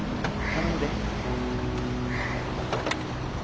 何で？